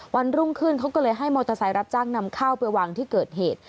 วันรุ่งขึ้นเขาก็เลยให้มอเตอร์ไซค์รับจ้างนำข้าวไปวางที่เกิดเหตุ